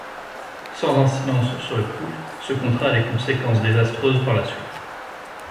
Sans incidence sur le coup, ce contrat a des conséquences désastreuses par la suite.